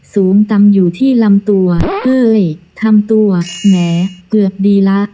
สูงตำอยู่ที่ลำตัวเอ้ยทำตัวแหมเกือบดีละ